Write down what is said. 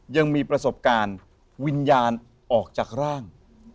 ยังมีประสบการณ์วิญญาณออกจากร่าง